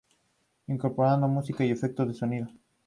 Incorpora música y efectos de sonido.